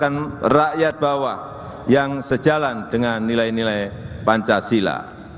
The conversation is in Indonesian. dan rakyat bawah yang sejalan dengan nilai nilai pancasila